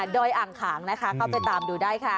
ดอยอ่างขางนะคะเข้าไปตามดูได้ค่ะ